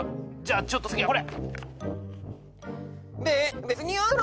じゃあちょっと次はこれ。